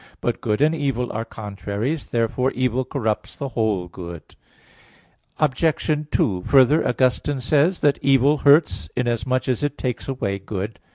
But good and evil are contraries. Therefore evil corrupts the whole good. Obj. 2: Further, Augustine says (Enchiridion 12) that "evil hurts inasmuch as it takes away good."